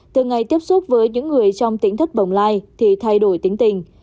từ ngày tiếp xúc với những người trong tính thất bồng lai thì thay đổi tính tình